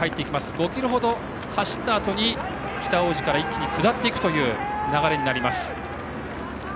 ５ｋｍほど走ったあとに北大路から一気に下っていく流れになります。